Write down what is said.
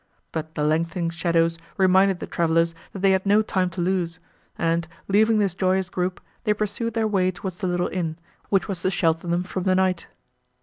But the lengthening shadows reminded the travellers, that they had no time to lose; and, leaving this joyous group, they pursued their way towards the little inn, which was to shelter them from the night.